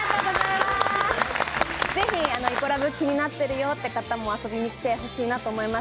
ぜひイコラブ、気になってるよという方も遊びに来てほしいなと思います